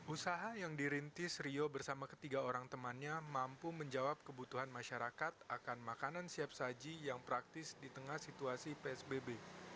usaha yang dirintis rio bersama ketiga orang temannya mampu menjawab kebutuhan masyarakat akan makanan siap saji yang praktis di tengah situasi psbb